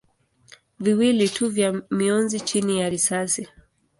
viwili tu vya mionzi chini ya risasi.